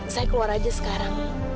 saya keluar saja sekarang